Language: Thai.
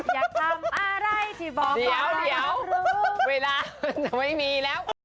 อยากทำอะไรที่บอกก็ไม่รู้เดี๋ยวเวลาจะไม่มีแล้ว